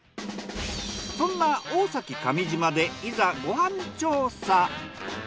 そんな大崎上島でいざご飯調査。